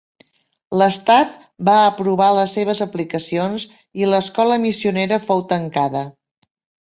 L'estat va aprovar les seves aplicacions i l'escola missionera fou tancada.